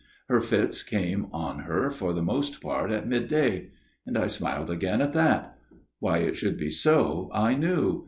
Her fits came on tier for the most part at midday. And I smiled again at that. Why it should be so, I knew.